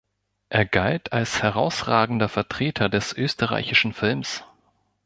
Er galt als herausragender Vertreter des österreichischen Films.